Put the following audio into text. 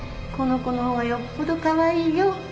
この子のほうがよっぽどかわいいよ。